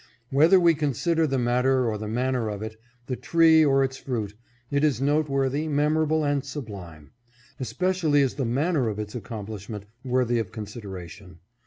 Whether we consider the matter or the manner of it, the tree or its fruit, it is noteworthy, memorable, and sublime. Especially is the manner of its accomplishment worthy of consideration.